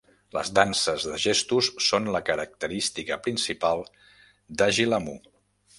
Les danses de gestos són la característica principal d'Ajilamu.